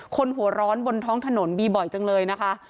คนหัวร้อนบนท้องถนนมีบ่อยจังเลยนะคะ